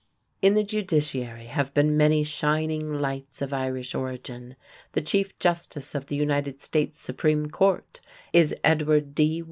In the judiciary have been many shining lights of Irish origin. The Chief Justice of the United States Supreme Court is Edward D.